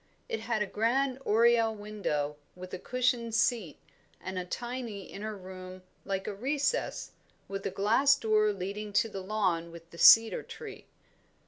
It had a grand oriel window, with a cushioned seat, and a tiny inner room like a recess, with a glass door leading to the lawn with the cedar tree.